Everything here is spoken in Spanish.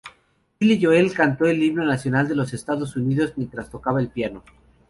Billy Joel cantó el himno nacional de los Estados Unidos mientras tocaba el piano.